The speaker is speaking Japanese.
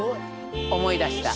思い出した。